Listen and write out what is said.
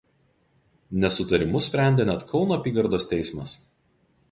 Nesutarimus sprendė net Kauno apygardos teismas.